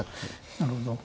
なるほど。